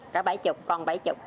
cả bảy mươi còn bảy mươi